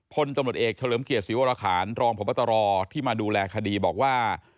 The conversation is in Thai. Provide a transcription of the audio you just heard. พตเเฉลิมเกียรติศรีโวราคารรพตที่มาดูแลคดีบอกว่า